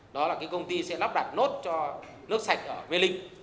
đó là cái công ty sẽ lắp đặt nốt cho nước sạch ở vê linh